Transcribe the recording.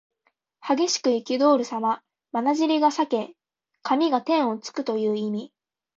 激しくいきどおるさま。まなじりが裂け髪が天をつくという意味。